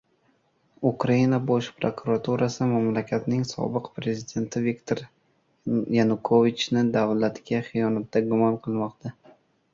Ukraina Bosh prokuraturasi mamlakatning sobiq prezidenti Viktor Yanukovichni davlatga xiyonatda gumon qilmoqda.